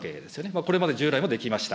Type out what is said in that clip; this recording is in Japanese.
これまで従来もできました。